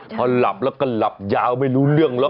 ถ้าหลบแล้วก็หลับอย่าไม่รู้เรื่องหรอก